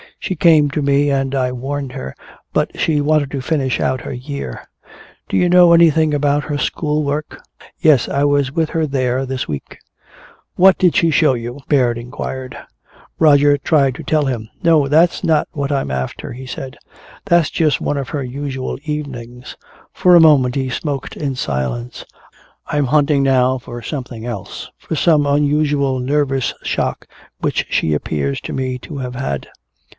She came to me and I warned her, but she wanted to finish out her year. Do you know anything about her school work?" "Yes, I was with her there this week." "What did she show you?" Baird inquired. Roger tried to tell him. "No, that's not what I'm after," he said. "That's just one of her usual evenings." For a moment he smoked in silence. "I'm hunting now for something else, for some unusual nervous shock which she appears to me to have had."